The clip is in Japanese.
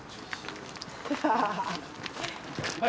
はい。